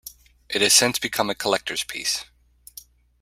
It has since become a collectors' piece.